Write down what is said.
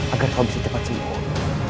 agar kau bisa cepat sembuh